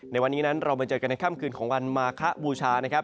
ในวันนี้นั้นเรามาเจอกันในค่ำคืนของวันมาคะบูชานะครับ